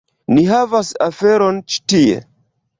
Ni havas aferon ĉi tie.